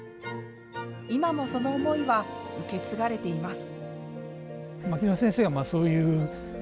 今もその思いは受け継がれています。